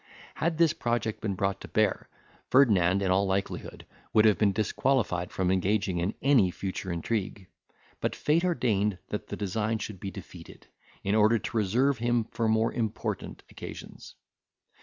Had this project been brought to bear, Ferdinand, in all likelihood, would have been disqualified from engaging in any future intrigue; but fate ordained that the design should be defeated, in order to reserve him for more important occasions.